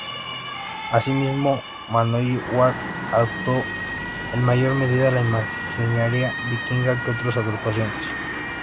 Asimismo, Manowar adoptó en mayor medida la imaginería vikinga que otras agrupaciones.